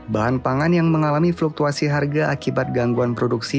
bahan pangan yang mengalami fluktuasi harga akibat gangguan produksi